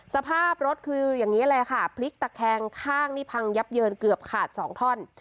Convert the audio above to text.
สภาพรถคืออย่างนี้เลยค่ะพลิกตะแคงข้างนี่พังยับเยินเกือบขาดสองท่อน